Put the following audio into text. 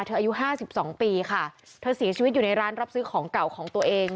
อายุห้าสิบสองปีค่ะเธอเสียชีวิตอยู่ในร้านรับซื้อของเก่าของตัวเอง